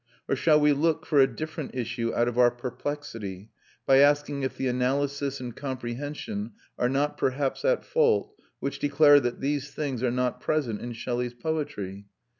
Or shall we look for a different issue out of our perplexity, by asking if the analysis and comprehension are not perhaps at fault which declare that these things are not present in Shelley's poetry?